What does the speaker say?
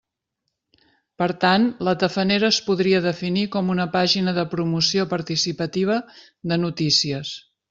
Per tant, la Tafanera es podria definir com una pàgina de promoció participativa de notícies.